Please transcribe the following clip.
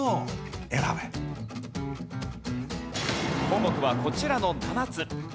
項目はこちらの７つ。